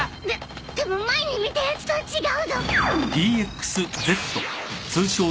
でも前に見たやつとは違うぞ。